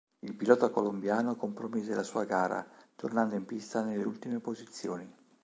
Il pilota colombiano compromise la sua gara, tornando in pista nelle ultime posizioni.